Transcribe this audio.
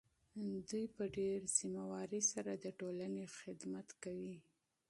دوی په ډیر مسؤلیت سره د ټولنې خدمت کوي.